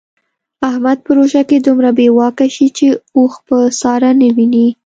احمد په روژه کې دومره بې واکه شي چې اوښ په ساره نه ویني.